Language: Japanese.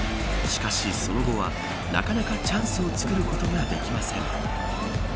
しかし、その後はなかなかチャンスを作ることができません。